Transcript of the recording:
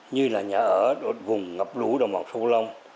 như là nhà ở ở vùng ngập lũ đồng hoàng sâu lông